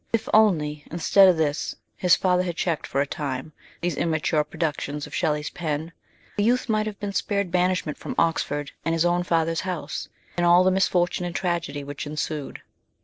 If only,, instead of this, his father had checked for a time these immature productions of Shelley's pen, the youth might have been spared banishment Irom Oxford and his own father's houss, and all the misfortune and tragedy which ensued.